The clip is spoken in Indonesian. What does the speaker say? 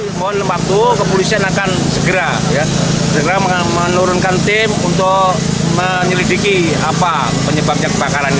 semua lembap itu kepolisian akan segera menurunkan tim untuk menyelidiki apa penyebabnya kebakaran ini